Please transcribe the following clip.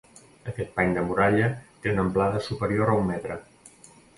Aquest pany de muralla té una amplada superior a un metre.